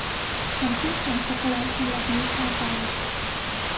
ฉันพึ่งสั่งช็อคโกแลตสำหรับมื้อเช้าไป